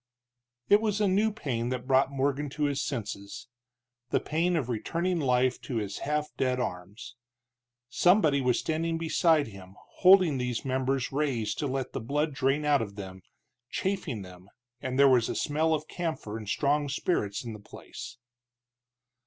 It was a new pain that brought Morgan to his senses, the pain of returning life to his half dead arms. Somebody was standing beside him holding these members raised to let the blood drain out of them, chafing them, and there was a smell of camphor and strong spirits in the place.